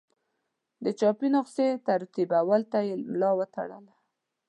د چاپي نسخې ترتیبولو ته یې ملا وتړله.